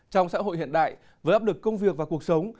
trong xã hội hiện đại với áp lực công việc và cuộc sống